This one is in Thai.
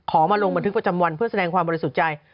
มาลงบันทึกประจำวันเพื่อแสดงความบริสุทธิ์ใจ